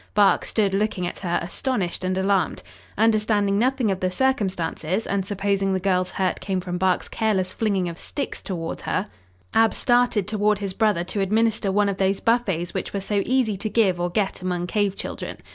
Bark stood looking at her, astonished and alarmed. Understanding nothing of the circumstances, and supposing the girl's hurt came from Bark's careless flinging of sticks toward her, Ab started toward his brother to administer one of those buffets which were so easy to give or get among cave children.